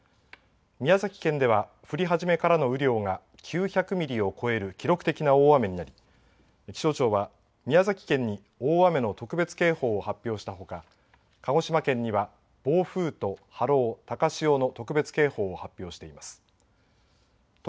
宮崎県では降りはじめからの雨量が９００ミリを超える記録的な大雨になり、気象庁は宮崎県に大雨の特別警報を発表したほか、鹿児島県には暴風と波浪、高潮の特別警報を発表しています。